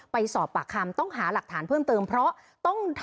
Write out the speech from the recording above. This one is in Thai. ไปสอบปากคำต้องหาหลักฐานเพิ่มเติมเพราะต้อง